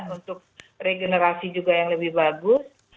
untuk regenerasi juga yang lebih bagus